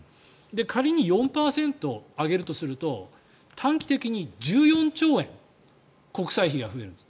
仮に４％上げるとすると短期的に１４兆円国債費が増えるんです。